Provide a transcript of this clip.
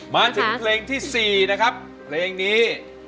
มาถึงเพลงที่๔นะครับเพลงนี้